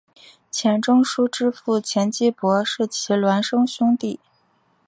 钱钟书之父钱基博是其孪生兄弟。